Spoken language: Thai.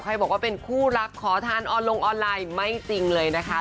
บอกว่าเป็นคู่รักขอทานออนลงออนไลน์ไม่จริงเลยนะคะ